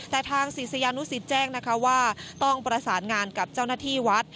แต่ทางศิษยานุสิตแจ้งนะคะว่าต้องประสานงานกับเจ้าหน้าที่วัด